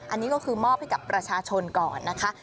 อันนี้ก็คือมอบให้กับประชาชนก่อนนะคะ